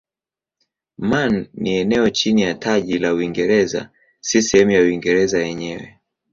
Man ni eneo chini ya taji la Uingereza si sehemu ya Uingereza yenyewe.